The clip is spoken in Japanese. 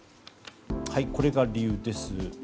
これが理由です。